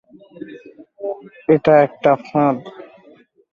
এটা একটা ফাঁদ!